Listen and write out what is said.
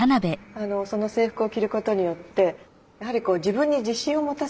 その制服を着ることによってやはり自分に自信を持たせる。